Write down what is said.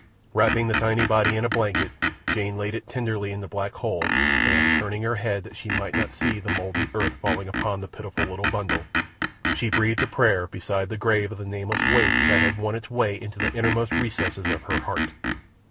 Wrapping the tiny body in a blanket, Jane laid it tenderly in the black hole, and, turning her head that she might not see the mouldy earth falling upon the pitiful little bundle, she breathed a prayer beside the grave of the nameless waif that had won its way to the innermost recesses of her heart.